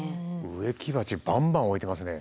植木鉢バンバン置いてますね。